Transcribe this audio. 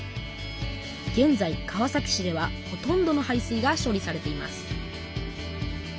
げんざい川崎市ではほとんどの排水が処理されています